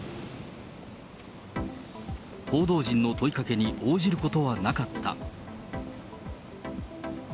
報道陣の問いかけに応じることはなかった。